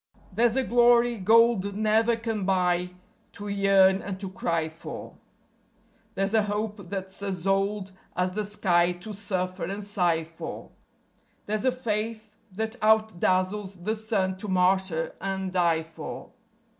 There's a glory gold never can buy to yearn and to cry for; There's a hope that's as old as the sky to suffer and sigh for; There's a faith that out dazzles the sun to martyr and die for.